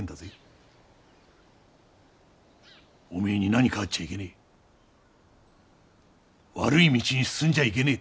お前に何かあっちゃいけねえ悪い道に進んじゃいけねえ。